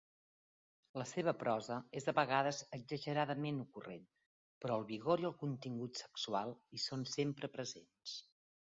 La seva prosa és a vegades exageradament ocurrent, però el vigor i el contingut sexual hi són sempre presents.